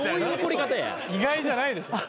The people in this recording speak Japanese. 意外じゃないでしょ。